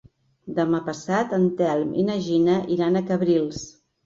Demà passat en Telm i na Gina iran a Cabrils.